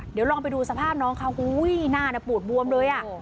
เดี๋ยวลองไปดูสภาพน้องเขาอุ้ยหน้าปูดบวมเลยอ่ะ